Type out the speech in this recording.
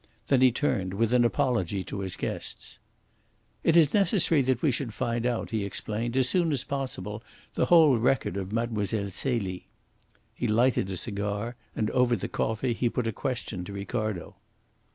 Then he turned with an apology to his guests. "It is necessary that we should find out," he explained, "as soon as possible, the whole record of Mlle. Celie." He lighted a cigar, and over the coffee he put a question to Ricardo.